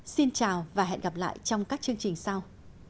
xin chào và hẹn gặp lại trong các chương trình sau